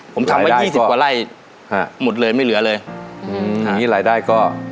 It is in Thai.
ผมทำไว้ยี่สิบกว่าไร่ฮะหมดเลยไม่เหลือเลยอืมอย่างงี้รายได้ก็